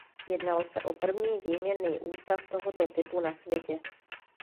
Jednalo se o první výměnný ústav tohoto typu na světě.